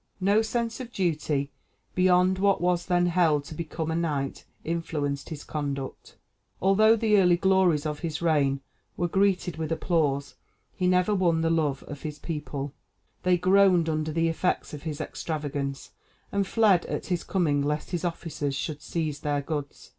No sense of duty beyond what was then held to become a knight influenced his conduct. Although the early glories of his reign were greeted with applause, he never won the love of his people; they groaned under the effects of his extravagance, and fled at his coming lest his officers should seize their goods.